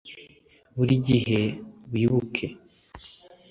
burigihe wibuke